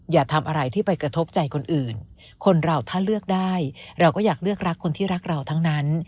อย่าทำอะไรที่ไปกระทบใจคนอื่นคนเราถ้าเลือกได้เราก็อยากเลือกรักคนที่รักเราทั้งนั้น